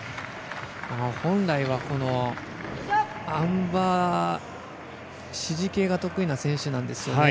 本来はこのあん馬支持系が得意な選手なんですよね。